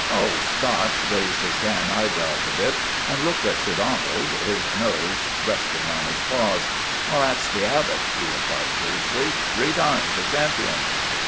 Old Scotch raised his tan eyebrows a bit and looked at Sir Donald, his nose resting on his paws. "That's The Abbot," he replied tersely, "three times a champion."